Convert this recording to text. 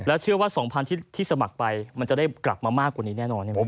เชื่อว่า๒๐๐๐ที่สมัครไปมันจะได้กลับมามากกว่านี้แน่นอน